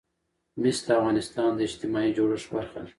مس د افغانستان د اجتماعي جوړښت برخه ده.